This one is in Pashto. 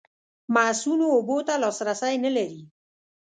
مصؤنو اوبو ته لاسرسی نه لري.